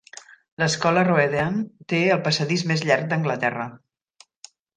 L'escola Roedean té el passadís més llarg d'Anglaterra.